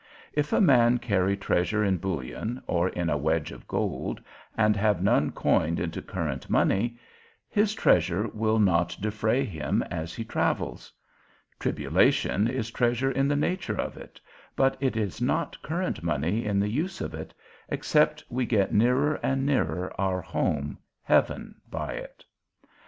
If a man carry treasure in bullion, or in a wedge of gold, and have none coined into current money, his treasure will not defray him as he travels. Tribulation is treasure in the nature of it, but it is not current money in the use of it, except we get nearer and nearer our home, heaven, by it.